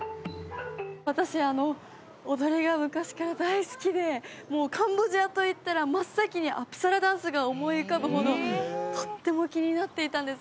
私踊りが昔から大好きでカンボジアといったら真っ先にアプサラダンスが思い浮かぶほどとっても気になっていたんです